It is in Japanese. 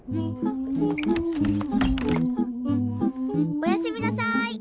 おやすみなさい。